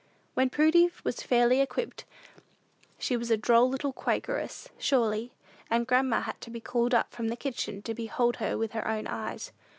When Prudy was fairly equipped, she was a droll little Quakeress, surely, and grandma had to be called up from the kitchen to behold her with her own eyes.